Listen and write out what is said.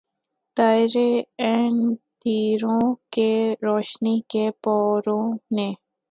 دائرے اندھیروں کے روشنی کے پوروں نے